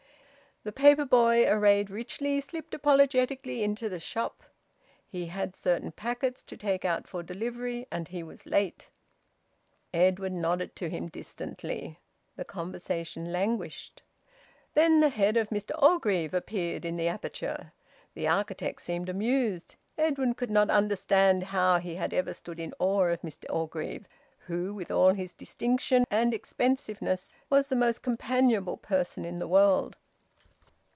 The paper boy, arrayed richly, slipped apologetically into the shop. He had certain packets to take out for delivery, and he was late. Edwin nodded to him distantly. The conversation languished. Then the head of Mr Orgreave appeared in the aperture. The architect seemed amused. Edwin could not understand how he had ever stood in awe of Mr Orgreave, who, with all his distinction and expensiveness, was the most companionable person in the world.